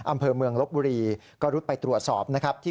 อำเภอเมืองลบุรี